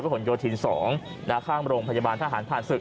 ผลโยธิน๒ข้างโรงพยาบาลทหารผ่านศึก